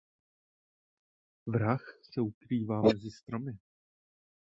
Vrah se ukrývá mezi stromy.